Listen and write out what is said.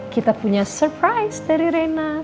kita punya surprise dari reina